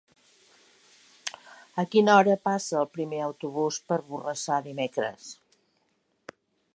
A quina hora passa el primer autobús per Borrassà dimecres?